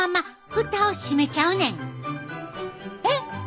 えっ？